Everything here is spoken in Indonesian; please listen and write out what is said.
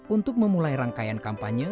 untuk memulai rangkaian kampanye